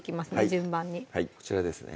順番にはいこちらですね